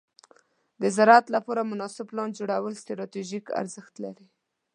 د زراعت لپاره مناسب پلان جوړول ستراتیژیک ارزښت لري.